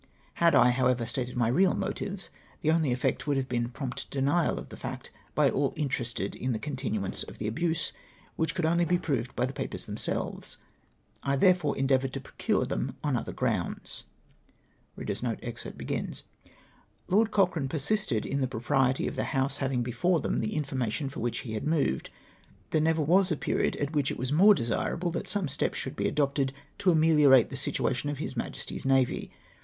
Had I, however, stated my real motives, the only effect would have been prompt denial of the fact by all in terested in the continuance of tlie abuse, which could only be proved by the papers themselves. I therefore endeavoured to procure them on other grounds. " Lord Cochrane persisted in the propriety of the House having before them the information for which he had moved. There never was a period at which it was more desirable that some steps should be adopted to ameliorate the situation of His Majesty's navy.